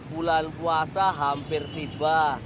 bulan puasa hampir tiba